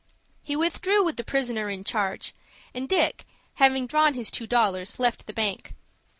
He withdrew with the prisoner in charge, and Dick, having drawn his two dollars, left the bank.